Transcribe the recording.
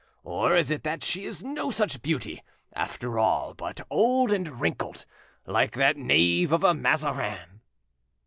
Or is it that she is no such beauty, after all, but old and wrinkled, like that knave of a Mazarin?"